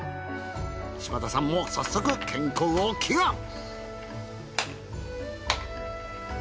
島田さんも早速健康を祈願。